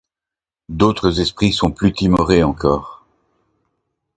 D’autres esprits sont plus timorés encore.